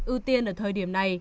ưu tiên ở thời điểm này